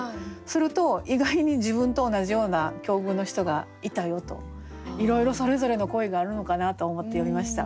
すると意外に自分と同じような境遇の人がいたよといろいろそれぞれの恋があるのかなと思って読みました。